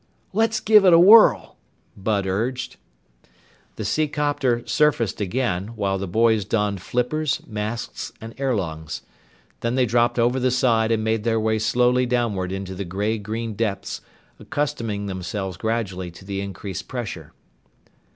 "Let's give it a whirl," Bud urged. The seacopter surfaced again, while the boys donned flippers, masks, and air lungs. Then they dropped over the side and made their way slowly downward into the gray green depths, accustoming themselves gradually to the increased pressure.